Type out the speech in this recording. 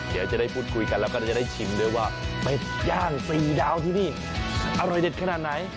เดี๋ยวจะได้พูดคุยกันแล้วก็จะได้ชิมด้วยว่าเม็ดย่างสี่ดาวที่นี่อร่อยเด็ดขนาดไหน